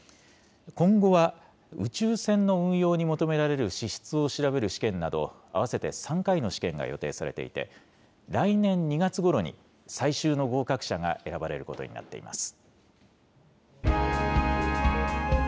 今後は宇宙船の運用に求められる資質を調べる試験など、合わせて３回の試験が予定されていて、来年２月ごろに最終の合格者が選ばれることになっています。